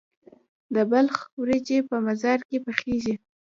د بلخ وریجې په مزار کې پخیږي.